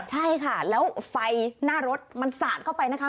ใช่ค่ะแล้วไฟหน้ารถมันสาดเข้าไปนะคะ